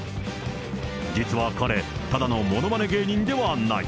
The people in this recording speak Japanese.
実は彼、ただのものまね芸人ではない。